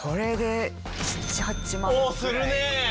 おするね。